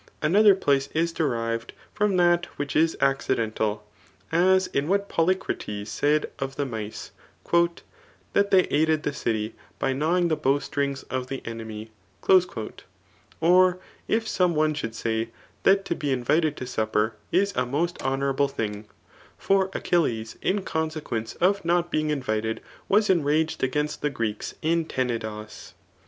Another place is derived from that which is accidental ; as in what Polycrates said of the mice, That they aided CRAI^. XXVI. 'RHETORfCi V9S' Qfae city j by gnanving the bawstxings f of the enemy. J* '■ Or if some one should say, that to be mvited to supper is a most honourable thing ; for Achilles^ in consequence of not being invited was' enraged against the Greeks iii Tenedos.